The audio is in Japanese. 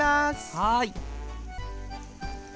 はい。